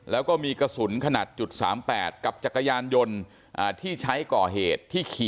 แล้วก็มีกระสุนขนาด๓๘กับจักรยานยนต์